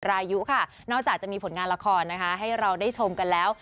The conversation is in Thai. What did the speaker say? รายุค่ะนอกจากจะมีผลงานละครนะคะให้เราได้ชมกันแล้ว